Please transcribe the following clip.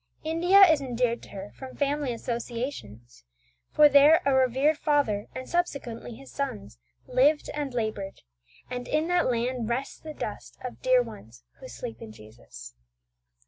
India is endeared to her from family associations; for there a revered father, and subsequently his sons, lived and laboured, and in that land rests the dust of dear ones who sleep in Jesus.